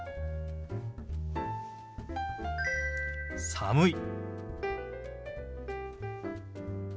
「寒い」。